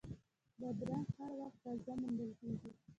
بادرنګ هر وخت تازه موندل کېږي.